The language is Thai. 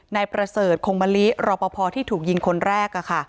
นายประเสริฐคงมะลิรอปภที่ถูกยิงคนแรก